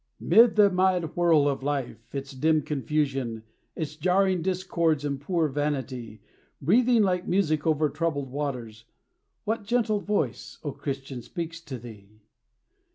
'Mid the mad whirl of life, its dim confusion, Its jarring discords and poor vanity, Breathing like music over troubled waters, What gentle voice, O Christian, speaks to thee?